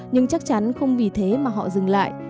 nhưng chắc chắn không vì thế mà họ dừng lại